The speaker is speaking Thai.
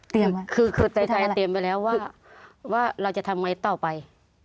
เตรียมไว้ไม่ทำอะไรคือใจใจเตรียมไว้แล้วว่าว่าเราจะทำไงต่อไป